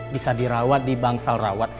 bisa dirawat di bangsal rawat